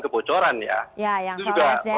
kebocoran ya ya yang salahnya sdm